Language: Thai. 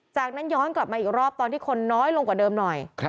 จากนั้นย้อนกลับมาอีกรอบตอนที่คนน้อยลงกว่าเดิมหน่อย